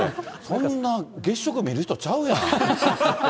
こんな月食見る人ちゃうやん。